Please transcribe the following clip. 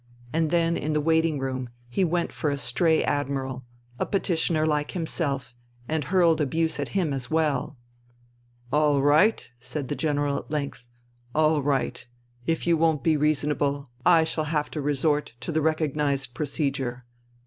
And then in the waiting room he went for a stray Admiral, a petitioner like himself, and hurled abuse at him as well. "All right," the General said at length. "All right. If you won't be reasonable, I shall have to resort to the recognized procedure.